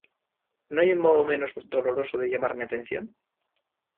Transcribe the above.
¿ No hay un modo menos doloroso de llamar mi atención?